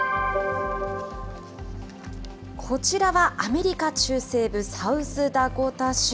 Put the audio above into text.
こちらはアメリカ中西部サウスダコタ州。